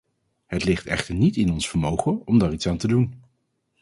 Het ligt echter niet in ons vermogen om daar iets aan te doen.